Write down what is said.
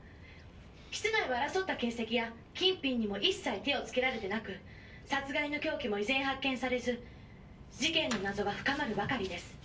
「室内は争った形跡や金品にも一切手をつけられてなく殺害の凶器も依然発見されず事件の謎は深まるばかりです」